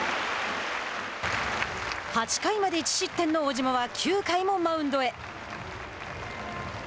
８回まで１失点の小島は９回もマウンドへ。